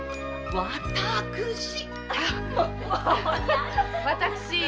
わたくし。